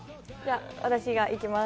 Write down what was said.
私が行きます。